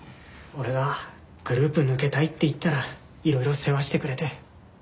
俺がグループ抜けたいって言ったらいろいろ世話してくれて。